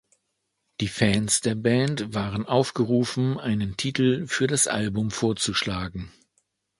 Die Fans der Band waren aufgerufen einen Titel für das Album vorzuschlagen.